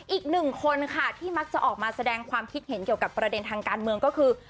อีกหนึ่งคนค่ะที่มักจะออกมาแสดงความคิดเห็นเกี่ยวกับประเด็นทางการเมืองก็คือ